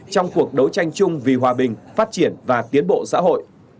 trong cuộc đấu tranh chung vì hòa bình phát triển và tiến bộ xã hội